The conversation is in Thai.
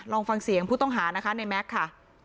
ลองฟังเสียงผู้ต้องหานะคะในแม็กซ์ค่ะ